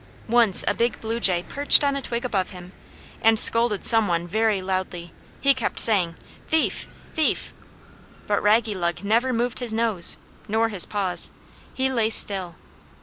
Once a big blue jay perched on a twig above him, and scolded someone very loudly; he kept saying, "Thief! thief!" But Raggylug never moved his nose, nor his paws; he lay still.